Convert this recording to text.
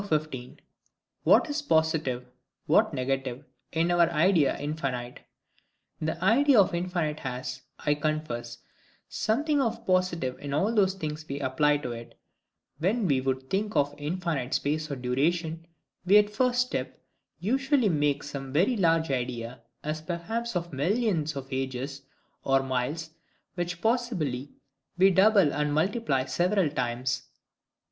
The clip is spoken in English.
15. What is positive, what negative, in our Idea of infinite. The idea of infinite has, I confess, something of positive in all those things we apply to it. When we would think of infinite space or duration, we at first step usually make some very large idea, as perhaps of millions of ages, or miles, which possibly we double and multiply several times.